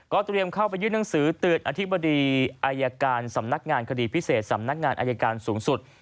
เตรียมเข้าไปยื่นหนังสือเตือนอธิบดีอายการสำนักงานคดีพิเศษสำนักงานอายการสูงสุด